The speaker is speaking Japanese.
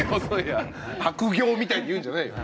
悪行みたいに言うんじゃないよ。